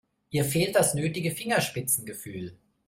Ihr fehlt das nötige Fingerspitzengefühl.